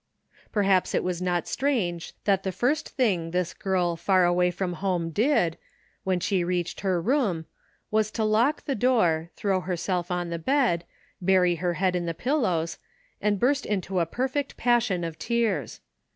Perhaps it was not strange that the first thing this girl far away from home did, when she reached her room, was to lock the door, throw herself on the bed, bury her head in the pil lows, and burst into a perfect passion of tears.